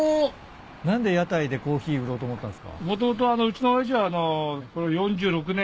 何で屋台でコーヒー売ろうと思ったんすか？